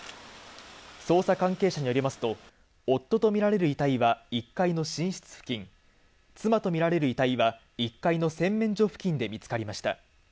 捜査関係者によりますと夫とみられる遺体は１階の寝室付近、妻とみられる遺体は１階の洗面所付近で見つかりました。